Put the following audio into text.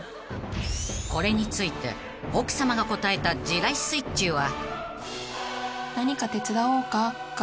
［これについて奥さまが答えた地雷スイッチは？］